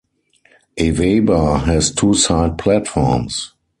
Awaba has two side platforms.